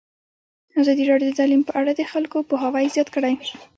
ازادي راډیو د تعلیم په اړه د خلکو پوهاوی زیات کړی.